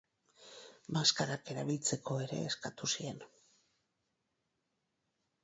Maskarak erabiltzeko ere eskatu zien.